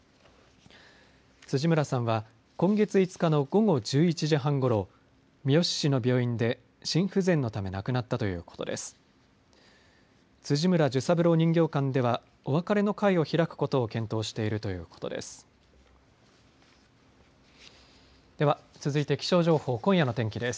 辻村さんは今月５日の午後１１時半ごろ三次市の病院で心不全のため亡くなったということです。